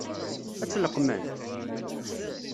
Ad tt-leqqment?